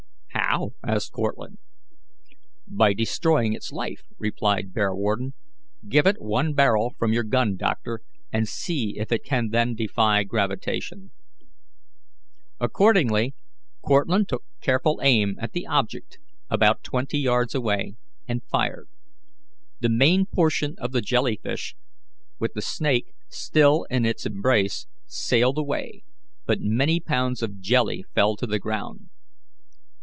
"How?" asked Cortlandt. "By destroying its life," replied Bearwarden. "Give it one barrel from your gun, doctor, and see if it can then defy gravitation." Accordingly Cortlandt took careful aim at the object, about twenty yards away, and fired. The main portion of the jellyfish, with the snake still in its embrace, sailed away, but many pounds of jelly fell to the ground.